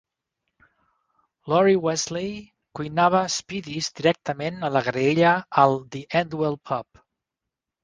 Lori Vesely cuinava spiedies directament a la graella al The Endwell Pub.